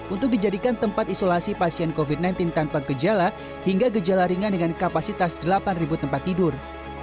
untuk dijadikan tempat isolasi pasien covid sembilan belas tanpa gejala hingga gejala ringan dengan kapasitas delapan tempat tidur